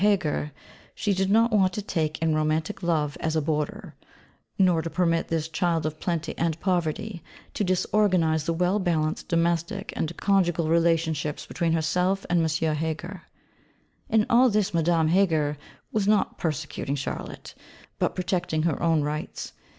Heger, she did not want to take in Romantic Love as a boarder; nor to permit this 'Child of plenty and poverty' to disorganise the well balanced domestic and conjugal relationships between herself and M. Heger. In all this Madame Heger was not persecuting Charlotte, but protecting her own rights.